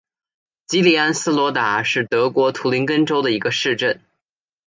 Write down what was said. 基利安斯罗达是德国图林根州的一个市镇。